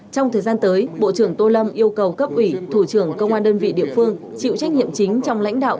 trong thời gian tới bộ trưởng tô lâm yêu cầu cấp ủy thủ trưởng công an đơn vị địa phương chịu trách nhiệm chính trong lãnh đạo